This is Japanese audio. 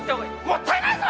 もったいないぞ！